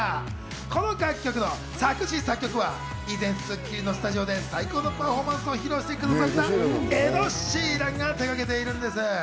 この楽曲の作詞・作曲は以前『スッキリ』のスタジオで最高のパフォーマンスを披露してくれたエド・シーランが手がけています。